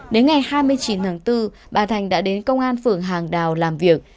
đến ngày hai mươi chín tháng bốn bà thành đã đến công an phường hàng đào làm việc